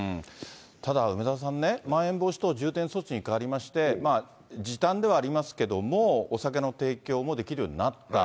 ただ梅沢さんね、まん延防止等重点措置に変わりまして、時短ではありますけれども、お酒の提供もできるようになった。